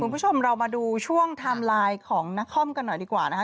คุณผู้ชมเรามาดูช่วงไทม์ไลน์ของนครกันหน่อยดีกว่านะคะ